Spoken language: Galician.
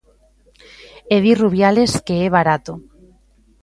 E di Rubiales que é barato.